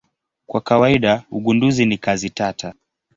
Kwa kawaida ugunduzi ni kazi tata.